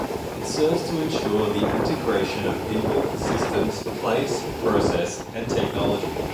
It serves to ensure the integration of people, systems, place, process, and technology.